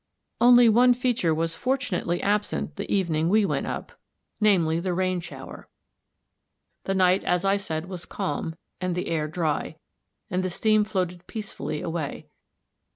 Only one feature in the diagram was fortunately absent the evening we went up, namely, the rain shower e. The night, as I said, was calm, and the air dry, and the steam floated peacefully away.